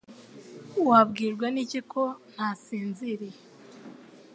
Wabwirwa n'iki ko ntasinziriye